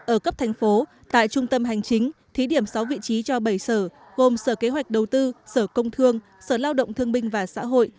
ở cấp thành phố tại trung tâm hành chính thí điểm sáu vị trí cho bảy sở gồm sở kế hoạch đầu tư sở công thương sở lao động thương binh và xã hội